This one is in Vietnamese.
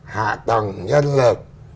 hạ tầng nhân lực